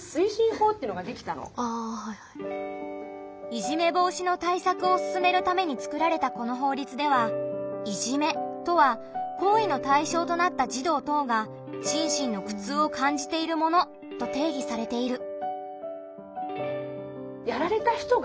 いじめ防止の対策を進めるために作られたこの法律では「いじめ」とは行為の対象となった児童等が心身の苦痛を感じているものと定義されている。